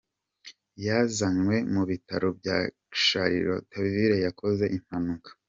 Yazanywe mu Bitaro bya Charletonville yakoze impanuka.